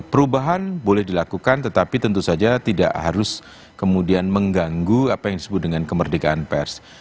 perubahan boleh dilakukan tetapi tentu saja tidak harus kemudian mengganggu apa yang disebut dengan kemerdekaan pers